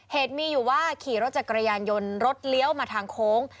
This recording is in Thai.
เหตุมีอยู่ว่าขี่รถจักรยานยนต์รถเลี้ยวมาทางโค้ง